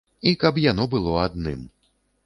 І каб яно было адным.